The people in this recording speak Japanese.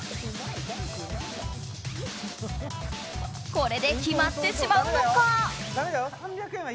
これで決まってしまうのか？